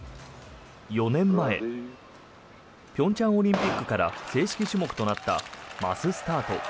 ４年前平昌オリンピックから正式種目となったマススタート。